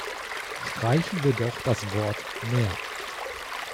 Streichen wir doch das Wort "mehr".